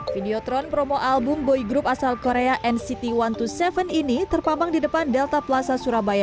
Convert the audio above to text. videotron promo album boy group asal korea nct satu ratus dua puluh tujuh ini terpampang di depan delta plaza surabaya